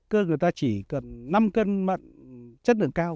cơ người ta chỉ cần năm cân mận chất lượng cao